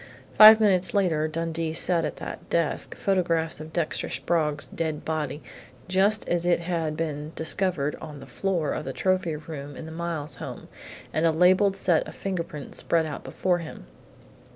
Five minutes later Dundee sat at that desk, photographs of Dexter Sprague's dead body, just as it had been discovered on the floor of the trophy room in the Miles home, and a labelled set of fingerprints spread out before him.